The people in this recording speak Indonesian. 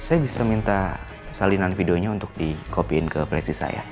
saya bisa minta salinan videonya untuk di copyin ke presis saya